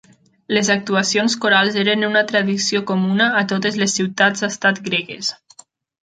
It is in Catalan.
Les actuacions corals eren una tradició comuna a totes les ciutats-estat gregues.